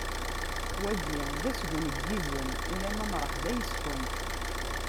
Wagi d asgen n yizem, ulama mṛeḥba yes-kunt.